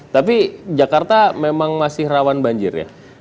tapi jakarta memang masih rawan banjir ya